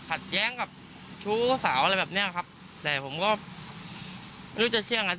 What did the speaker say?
ขัดแย้งกับชู้สาวอะไรแบบเนี้ยครับแต่ผมก็ไม่รู้จะเชื่อไง